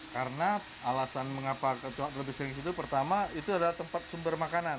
karena alasan mengapa kecoak lebih sering disitu pertama itu adalah tempat sumber makanan